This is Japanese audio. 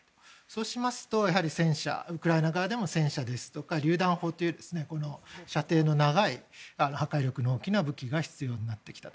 そうしますと、ウクライナ側でも戦車ですとかりゅう弾砲という射程の長い破壊力が大きな武器が必要になってきた。